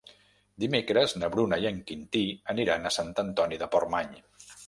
Dimecres na Bruna i en Quintí aniran a Sant Antoni de Portmany.